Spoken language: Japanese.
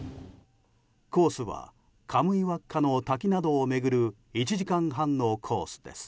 コースはカムイワッカの滝などを巡る１時間半のコースです。